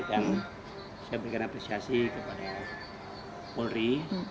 dan saya berikan apresiasi kepada polri